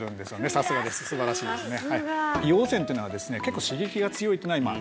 さすがですすばらしいですね